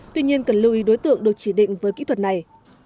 tuy nhiên cần lưu ý đối tượng được chỉ định với kỹ thuật này